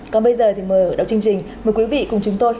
còn bây giờ thì mời đầu chương trình mời quý vị cùng chúng tôi